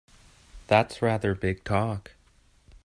That's rather big talk!